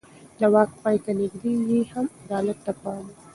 د واک پای ته نږدې يې هم عدالت ته پام و.